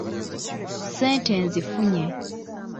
Ssente nzifunye.